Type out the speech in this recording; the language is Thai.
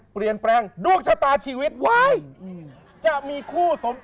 ปลูกชะตาชีวิต